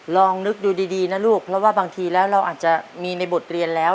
ลองนึกดูดีนะลูกเพราะว่าบางทีแล้วเราอาจจะมีในบทเรียนแล้ว